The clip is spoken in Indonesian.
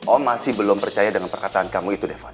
om masih belom percaya sama perkataan kamu itu devon